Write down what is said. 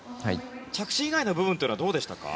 着地以外の部分はどうでしたか。